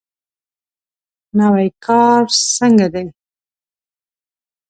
نوی کار څنګه دی؟